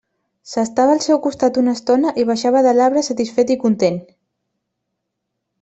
S'estava al seu costat una estona i baixava de l'arbre satisfet i content.